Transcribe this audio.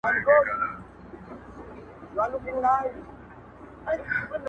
ه بيا دي په سرو سترگو کي زما ياري ده.